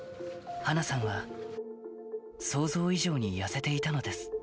華さんは想像以上に痩せていたのです。